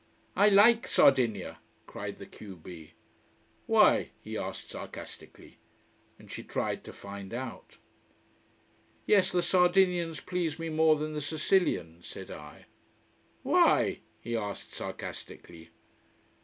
"I like Sardinia," cried the q b. "Why?" he asked sarcastically. And she tried to find out. "Yes, the Sardinians please me more than the Sicilians," said I. "Why?" he asked sarcastically.